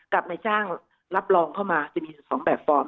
กับนายจ้างรับรองเข้ามาจะมีอยู่๒แบบฟอร์ม